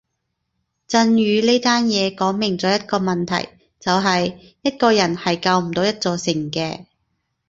震宇呢單嘢講明咗一個問題就係一個人係救唔到一座城嘅